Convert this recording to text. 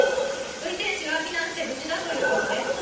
運転手は避難して無事だということです。